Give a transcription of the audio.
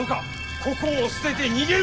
ここを捨てて逃げるか。